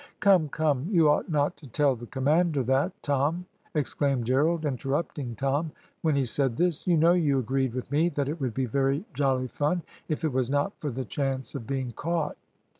"Come, come, you ought not to tell the commander that, Tom," exclaimed Gerald, interrupting Tom when he said this. "You know you agreed with me that it would be very jolly fun if it was not for the chance of being caught."